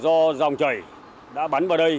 do dòng chảy đã bắn vào đây